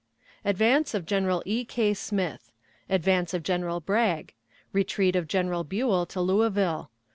Advance of General E. K. Smith. Advance of General Bragg. Retreat of General Buell to Louisville.